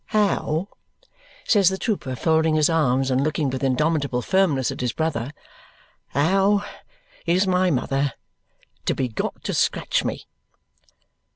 How," says the trooper, folding his arms and looking with indomitable firmness at his brother, "how is my mother to be got to scratch me?"